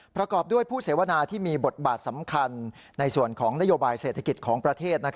ประกอบด้วยผู้เสวนาที่มีบทบาทสำคัญในส่วนของนโยบายเศรษฐกิจของประเทศ